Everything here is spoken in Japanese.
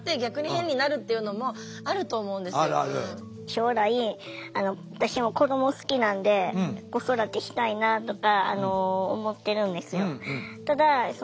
将来私も子ども好きなんで子育てしたいなとか思ってるんですよ。